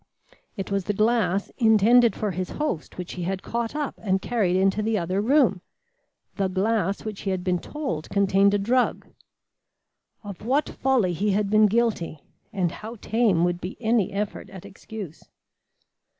It was the glass intended for his host which he had caught up and carried into the other room the glass which he had been told contained a drug. Of what folly he had been guilty, and how tame would be any effort at excuse!